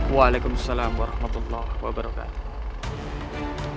waalaikumsalam warahmatullahi wabarakatuh